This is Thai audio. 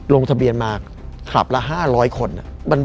ลงทะเบียนมาคลับละ๕๐๐คน